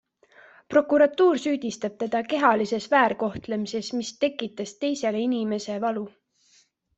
Prokuratuur süüdistab teda kehalises väärkohtlemises, mis tekitas teisele inimese valu.